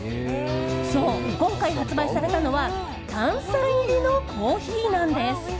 そう、今回発売されたのは炭酸入りのコーヒーなんです。